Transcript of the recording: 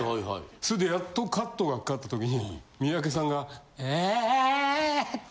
それでやっとカットがかかった時に三宅さんが「ええぇ」って。